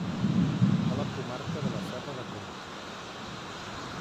A la comarca de la serra de Conca.